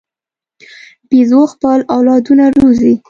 بیزو خپل اولادونه روزي.